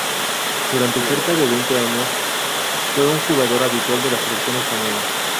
Durante cerca de veinte años, fue un jugador habitual de la selección española.